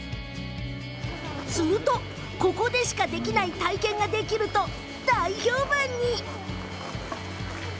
すると、ここでしかできない体験ができると大評判に。